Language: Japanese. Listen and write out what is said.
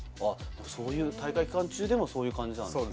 そういう、大会期間中でもそういう感じなんですね。